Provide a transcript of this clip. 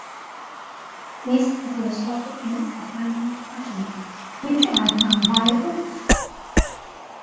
These have resulted in albino progeny, which are non-viable.